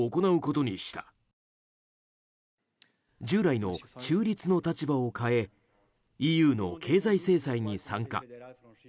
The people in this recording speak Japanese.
従来の中立の立場を変えＥＵの経済制裁に参加。